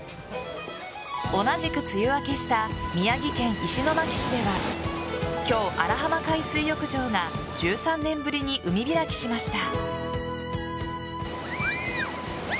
同じく梅雨明けした宮城県石巻市では今日、荒浜海水浴場が１３年ぶりに海開きしました。